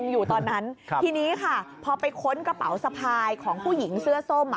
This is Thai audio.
อยู่ตอนนั้นทีนี้ค่ะพอไปค้นกระเป๋าสะพายของผู้หญิงเสื้อส้มอ่ะ